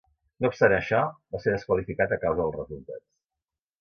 No obstant això, va ser desqualificat a causa dels resultats.